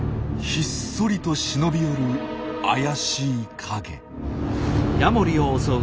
ひっそりと忍び寄る怪しい影。